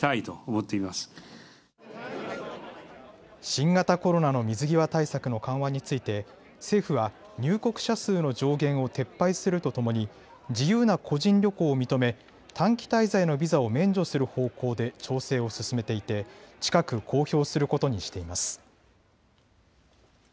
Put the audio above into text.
新型コロナの水際対策の緩和について政府は入国者数の上限を撤廃するとともに自由な個人旅行を認め短期滞在のビザを免除する方向で調整を進めていて近く公表することにしています。